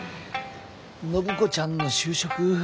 暢子ちゃんの就職。